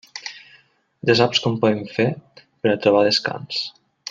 Ja saps com podem fer per a trobar descans.